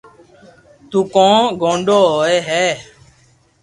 تو ڪون گوڌو ھوئي ھي